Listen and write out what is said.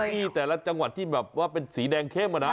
ที่แต่ละจังหวัดที่แบบว่าเป็นสีแดงเข้มอะนะ